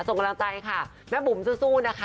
ส่งกำลังใจค่ะแม่บุ๋มสู้นะคะ